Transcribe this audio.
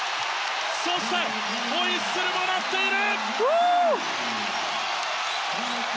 そしてホイッスルも鳴っている！